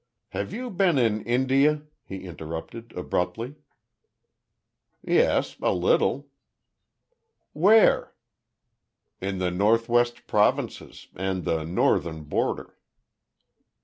"Have you been in India?" he interrupted, abruptly. "Yes, a little." "Where?" "In the North West Provinces, and the Northern border."